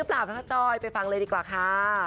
ดินดีด้วยค่ะ